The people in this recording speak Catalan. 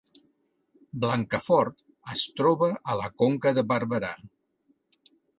Blancafort es troba a la Conca de Barberà